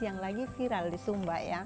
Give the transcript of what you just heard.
yang lagi viral di sumba ya